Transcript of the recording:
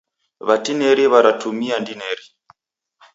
W'atineri w'aratumia ndineri.